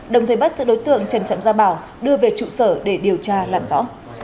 đồng thời bắt sự đối tượng trần trọng gia bảo đưa về trụ sở để điều tra làm rõ